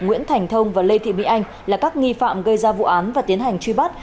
nguyễn thành thông và lê thị mỹ anh là các nghi phạm gây ra vụ án và tiến hành truy bắt